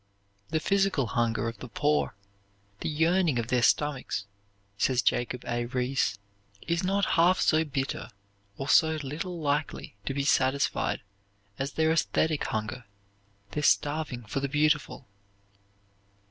"The physical hunger of the poor, the yearning of their stomachs," says Jacob A. Riis, "is not half so bitter, or so little likely to be satisfied as their esthetic hunger, their starving for the beautiful."